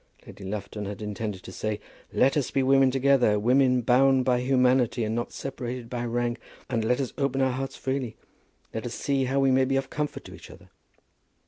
Lady Lufton had intended to say, "Let us be women together; women bound by humanity, and not separated by rank, and let us open our hearts freely. Let us see how we may be of comfort to each other."